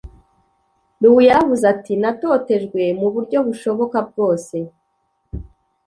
luis yaravuze ati natotejwe mu buryo bushoboka bwose